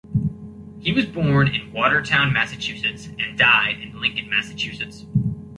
He was born in Watertown, Massachusetts and died in Lincoln, Massachusetts.